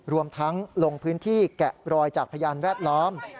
รวมทั้งลงพื้นที่แกะรอยจากพยานแวดล้อม